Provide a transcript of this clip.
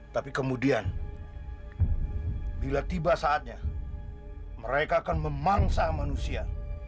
tapi kemudian bila tiba saatnya mereka akan memangsa manusia